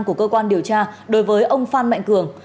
của cơ quan điều tra đối với ông phan mạnh cường